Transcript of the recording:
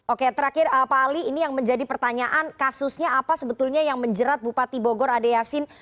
oke terakhir pak ali ini yang menjadi pertanyaan kasusnya apa sebetulnya yang menjerat bupati bogor ade yasin